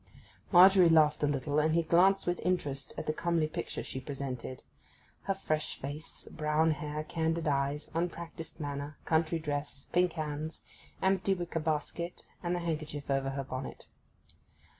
Margery laughed a little, and he glanced with interest at the comely picture she presented; her fresh face, brown hair, candid eyes, unpractised manner, country dress, pink hands, empty wicker basket, and the handkerchief over her bonnet.